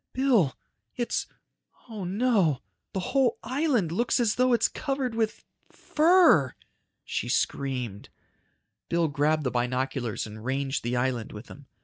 "Bill! It's ... oh no! The whole island looks as though it's covered with ... fur!" She screamed. Bill grabbed the binoculars and ranged the island with them.